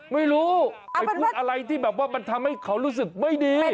ไม่รู้ไปพูดอะไรที่แบบว่ามันทำให้เขารู้สึกไม่ดี